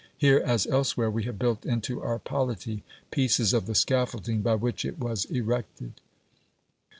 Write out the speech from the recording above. Here, as elsewhere, we have built into our polity pieces of the scaffolding by which it was erected.